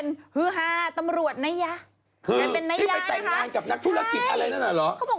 น่าจะหามดดาม